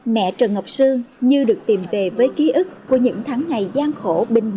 mẹ trần ngọc sương như được tìm về với ký ức của những tháng ngày gian khổ